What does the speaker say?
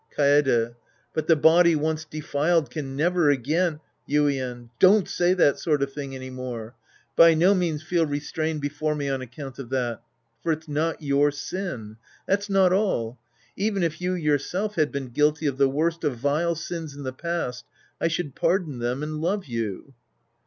Kaede. But the body once defiled can never again — Yuien. Don't say that sort of thing any more. By no means feel restrained before me on account of that. For it's not your sin. That's not all. Even if you yourself had been guilty of the worst of vile sins in the past, I should pardon them and love you.